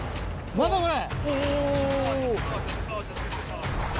何だこれ！